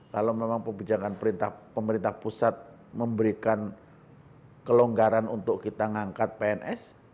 kalau memang kebijakan pemerintah pusat memberikan kelonggaran untuk kita mengangkat pns